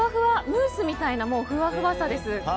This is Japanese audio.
ムースみたいなふわふわさです。